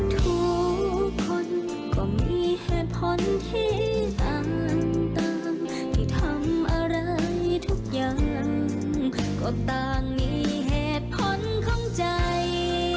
ทุกคนก็มีเหตุผลที่ต่างให้ทำอะไรทุกอย่างก็ต่างมีเหตุผลของใจ